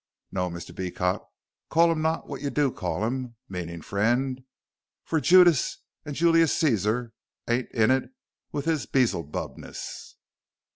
No, Mr. Beecot, call him not what you do call him, meaning friend, for Judas and Julius Cezar ain't in it with his Belzebubness."